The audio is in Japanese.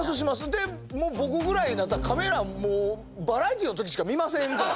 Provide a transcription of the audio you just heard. で僕ぐらいになったらカメラもうバラエティーの時しか見ませんから。